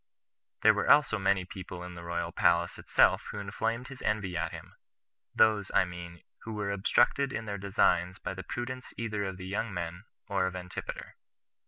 There were also many people in the royal palace itself who inflamed his envy at him; those, I mean, who were obstructed in their designs by the prudence either of the young men, or of Antipater.